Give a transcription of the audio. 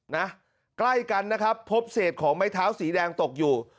นะใกล้กันนะครับพบเศษของไม้เท้าสีแดงตกอยู่